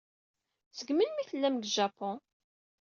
Seg melmi ay tellam deg Japun?